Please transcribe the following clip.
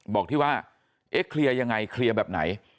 บอกที่ว่าเอ๊ะเคลียร์ยังไงเคลียร์แบบไหน